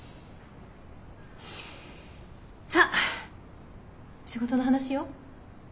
さっ仕事の話よ。